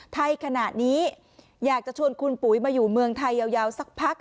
ไทยขณะนี้อยากจะชวนคุณปุ๋ยมาอยู่เมืองไทยยาวสักพัก